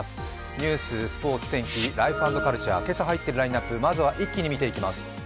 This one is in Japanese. ニュース、天気、スポーツ、ライフ＆カルチャー、今朝入っているラインナップ、まずは一気に見ていきます。